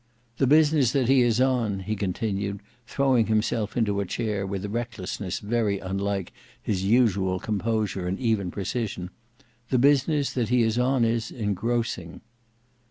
"The business that he is on," he continued, throwing himself into a chair with a recklessness very unlike his usual composure and even precision, "The business that he is on is engrossing."